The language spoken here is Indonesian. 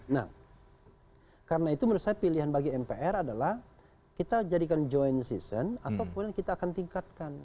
nah karena itu menurut saya pilihan bagi mpr adalah kita jadikan joint season atau kemudian kita akan tingkatkan